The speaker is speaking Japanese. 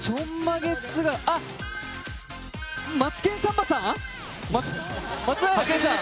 「マツケンサンバ」さん？